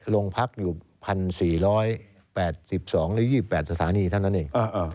โรงพักอยู่๑๔๘๒หรือ๒๘สถานีเท่านั้นเอง